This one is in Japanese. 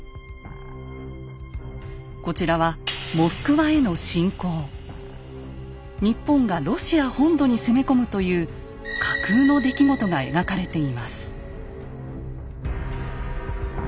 こちらは日本がロシア本土に攻め込むという架空の出来事が描かれています。